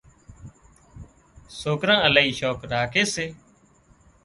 سوڪران الاهي شوق راکي سي